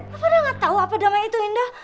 siapa yang gak tau apa damai itu indah